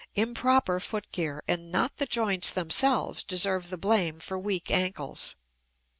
Improper foot gear and not the joints themselves deserve the blame for weak ankles.